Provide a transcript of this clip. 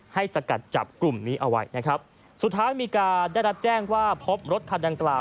สกัดจับกลุ่มนี้เอาไว้นะครับสุดท้ายมีการได้รับแจ้งว่าพบรถคันดังกล่าว